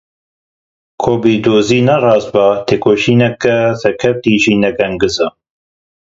Ku bîrdozî ne rast be, têkoşîneke serkeftî jî ne gengaz e.